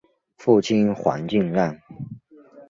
父亲黄敬让。